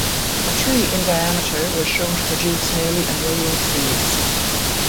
A tree in diameter was shown to produce nearly a million seeds.